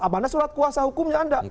apa anda surat kuasa hukumnya anda